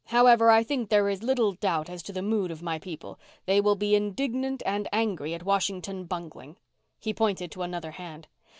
However, I think there is little doubt as to the mood of my people. They will be indignant and angry at Washington bungling." He pointed to another hand.